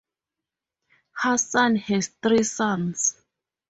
Hassan has three sons.